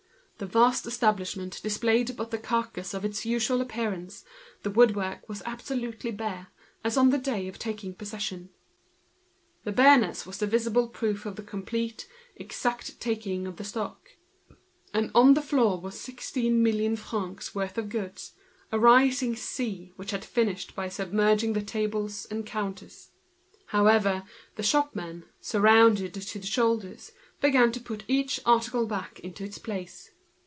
The vast establishment presented nothing but the carcase of its usual appearance, the woodwork was absolutely bare, as on the day of entering into possession. This nakedness was the visible proof of the complete and exact taking of the stock. And on the ground was sixteen million francs' worth of goods, a rising sea, which had finished by submerging the tables and counters. The shopmen, drowned up to the shoulders, had commenced to put each article back into its place.